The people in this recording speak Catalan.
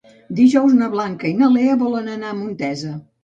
Dijous na Blanca i na Lea volen anar a Montesa.